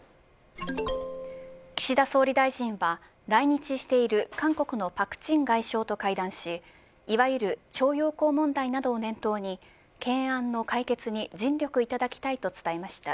岸田総理大臣は来日している韓国の朴振外相と会談しいわゆる徴用工問題などを念頭に懸案の解決に尽力いただきたいと伝えました。